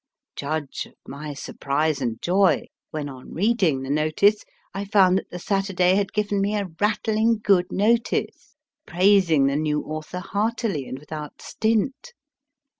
Judge of my surprise and joy when, on reading the notice, I found that the Saturday had given me a rattling good notice, praising the new author heartily and without stint.